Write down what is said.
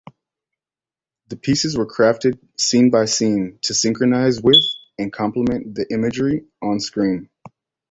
The pieces were crafted scene-by-scene to synchronise with and complement the imagery on screen.